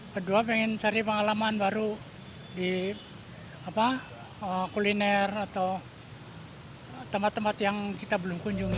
kedua pengen cari pengalaman baru di kuliner atau tempat tempat yang kita belum kunjungi